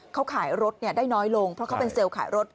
เขาขายรถได้น้อยลงเพราะเขาเป็นเซลล์ขายรถ